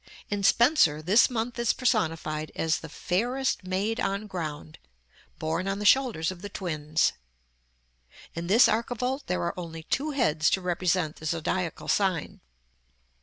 In Spenser, this month is personified as "the fayrest mayd on ground," borne on the shoulders of the Twins. In this archivolt there are only two heads to represent the zodiacal sign.